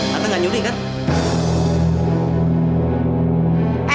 tante gak nyuri kan